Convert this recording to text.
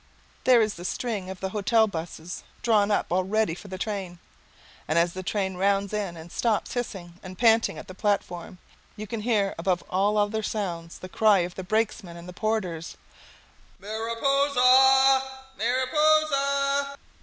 There is the string of the hotel 'buses, drawn up all ready for the train, and as the train rounds in and stops hissing and panting at the platform, you can hear above all other sounds the cry of the brakesmen and the porters: "MARIPOSA! MARIPOSA!"